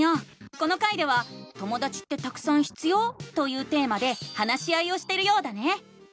この回では「ともだちってたくさん必要？」というテーマで話し合いをしてるようだね！